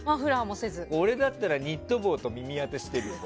俺だったらニット帽と耳当てしてるよ。